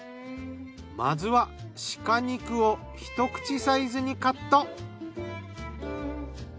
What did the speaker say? まずは鹿肉を一口サイズにカット。